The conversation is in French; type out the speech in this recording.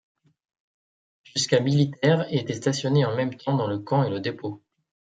Jusqu'à militaires étaient stationnés en même temps dans le camp et le dépôt.